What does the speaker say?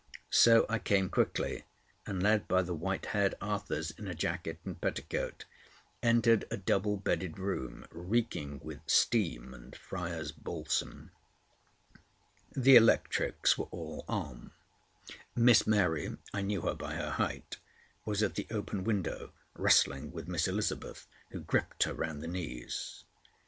So I came quickly, and led by the white haired Arthurs in a jacket and petticoat, entered a double bedded room reeking with steam and Friar's Balsam. The electrics were all on. Miss Mary—I knew her by her height—was at the open window, wrestling with Miss Elizabeth, who gripped her round the knees.